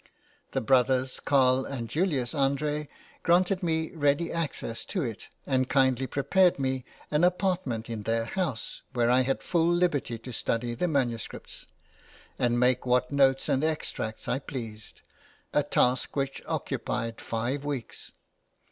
The brothers Carl and Julius André granted me ready access to it, and kindly prepared me an apartment in their house, where I had full liberty to study the MSS. and make what notes and extracts I pleased; a task which occupied five weeks.